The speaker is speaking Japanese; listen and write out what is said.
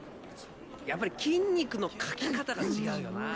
やっぱり筋肉の描き方が違うよな！